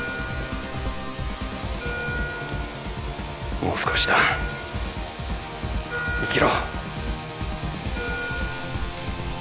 もう少しだ生きろ